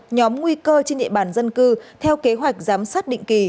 nhóm nguy cơ trên địa bàn dân cư theo kế hoạch giám sát định kỳ